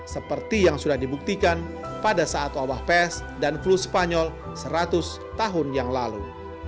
seperti yang sudah dibuktikan pada saat wabah pes dan flu spanyol seratus tahun yang lalu